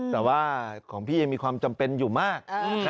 แต่ว่าของพี่ยังมีความจำเป็นอยู่มาก